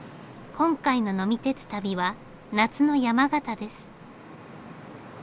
今回の呑み鉄旅は夏の山形です。